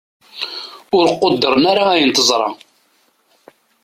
ur quddren ayen teẓṛa